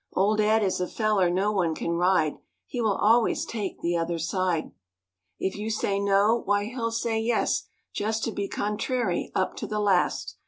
Old Ed is a feller no one can ride, He will always take the other side. If you say no, why he'll say 'yes' Just to be contrary up to the last.